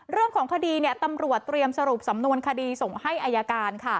เรื่องของคดีตำรวจเตรียมสรุปสำนวนคดีส่งให้อายการ